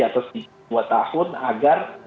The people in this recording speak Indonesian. dua tahun agar